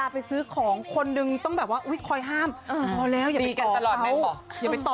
พูดถึงกต่อแล้วอย่าไปต่อเขา